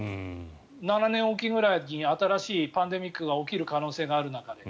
７年おきぐらいに新しいパンデミックが起きる可能性があるならね。